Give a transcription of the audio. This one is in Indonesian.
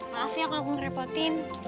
maaf ya kalau aku ngerepotin